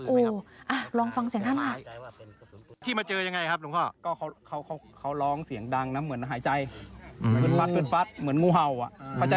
โอ้ลองฟังเสียงน่ามาก